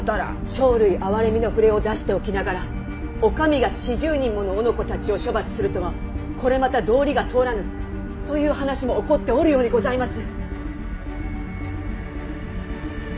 生類憐みの触れを出しておきながらお上が四十人もの男子たちを処罰するとはこれまた道理が通らぬという話も起こっておるようにございます！